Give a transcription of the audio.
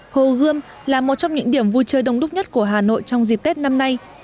hồ gươm là một trong những điểm vui chơi đông đúc nhất của hà nội trong dịp tết năm nay